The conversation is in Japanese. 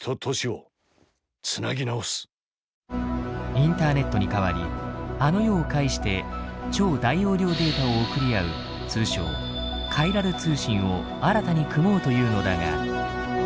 インターネットにかわりあの世を介して超大容量データを送り合う通称「カイラル通信」を新たに組もうというのだが。